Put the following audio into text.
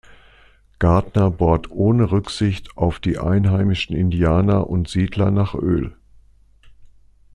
Gardner bohrt ohne Rücksicht auf die einheimischen Indianer und Siedler nach Öl.